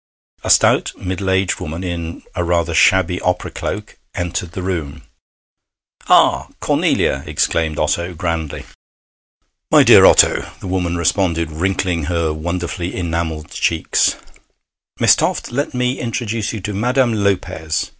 A stout, middle aged woman, in a rather shabby opera cloak, entered the room. 'Ah, Cornelia!' exclaimed Otto grandly. 'My dear Otto!' the woman responded, wrinkling her wonderfully enamelled cheeks. 'Miss Toft, let me introduce you to Madame Lopez.'